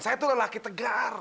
saya tuh lelaki tegar